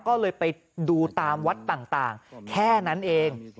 ก็เลยไปดูตามวัดต่างแค่นั้นเอง